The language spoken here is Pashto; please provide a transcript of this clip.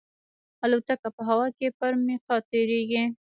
الوتکه په هوا کې پر میقات تېرېږي.